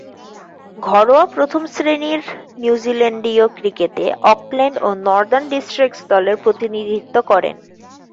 ঘরোয়া প্রথম-শ্রেণীর নিউজিল্যান্ডীয় ক্রিকেটে অকল্যান্ড ও নর্দার্ন ডিস্ট্রিক্টস দলের প্রতিনিধিত্ব করেন।